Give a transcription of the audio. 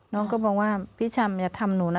น้องก็บอกว่าพี่ชำอย่าทำหนูนะ